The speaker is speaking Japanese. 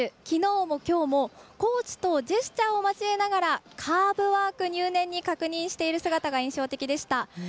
きのうもきょうもコーチとジェスチャーを交えながらカーブワーク入念に確認している姿が印象的でした。